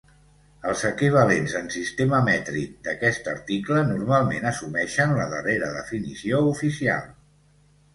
Els equivalents en sistema mètric d’aquest article normalment assumeixen la darrera definició oficial.